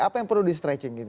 apa yang perlu di stretching gitu